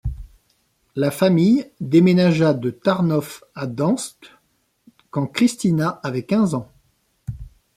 La famille déménagea de Tarnów à Gdańsk quand Krystyna avait quinze ans.